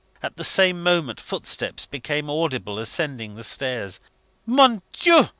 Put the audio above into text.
At the same moment, footsteps became audible ascending the stairs. "Mon Dieu!"